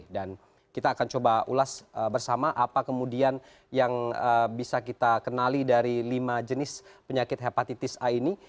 dan kita akan coba ulas bersama apa kemudian yang bisa kita kenali dari lima jenis penyakit hepatitis a ini